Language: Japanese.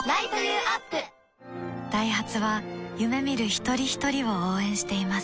ダイハツは夢見る一人ひとりを応援しています